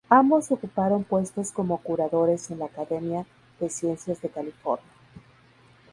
Ambos ocuparon puestos como curadores en la Academia de Ciencias de California.